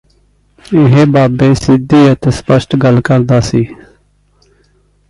ਇਹ ਬਾਬੇ ਸਿੱਧੀ ਅਤੇ ਸਪਸ਼ਟ ਗੱਲ ਕਰਦਾ ਸੀ